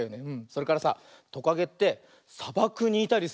それからさトカゲってさばくにいたりするんだよね。